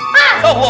ya sudah sudah sudah